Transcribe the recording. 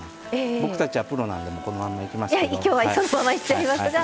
僕たちはプロなのでこのままいきますけど。